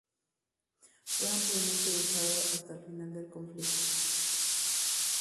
Fue ampliamente usado hasta el final del conflicto.